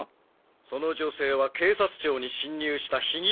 その女性は警察庁に侵入した被疑者だ。